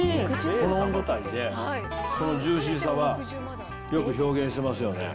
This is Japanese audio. この温度帯で、このジューシーさは、よく表現してますよね。